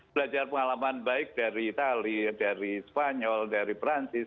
belajar pengalaman baik dari italir dari spanyol dari perancis